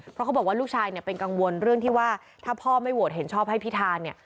เพราะเขาบอกว่าลูกชายเนี่ยเป็นกังวลเรื่องที่ว่าถ้าพ่อไม่โหวตเห็นชอบให้พิธาเนี่ย